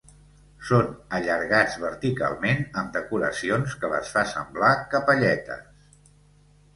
Són allargats verticalment amb decoracions que les fa semblar capelletes.